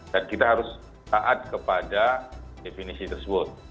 dan kita harus taat kepada definisi tersebut